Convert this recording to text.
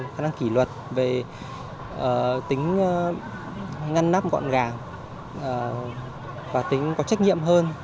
khả năng kỷ luật về tính ngăn nắp gọn gàng và tính có trách nhiệm hơn